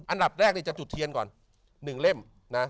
อันดับแรกจะจุดเทียนก่อน๑เล่มนะ